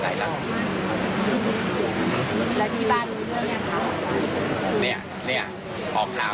น่าไปก่อนแล้วมารีบลงไป